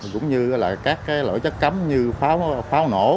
cũng như các lỗi chất cấm như pháo nổ